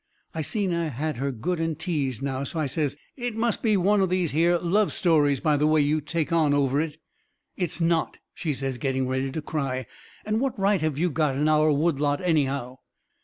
I seen I had her good and teased now, so I says: "It must be one of these here love stories by the way you take on over it." "It's not," she says, getting ready to cry. "And what right have you got in our wood lot, anyhow?"